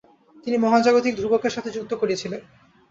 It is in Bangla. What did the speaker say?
তিনি মহাজাগতিক ধ্রুবকের সাথে যুক্ত করেছিলেন।